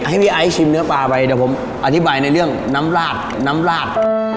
ให้พี่ไอซ์ชิมเนื้อปลาไปเดี๋ยวผมอธิบายในเรื่องน้ำลาดน้ำลาด